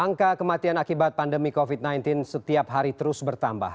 angka kematian akibat pandemi covid sembilan belas setiap hari terus bertambah